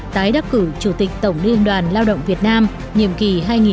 tái đắc cử chủ tịch tổng liên đoàn lao động việt nam nhiệm kỳ hai nghìn một mươi chín hai nghìn hai mươi bốn